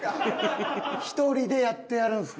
１人でやってはるんですね。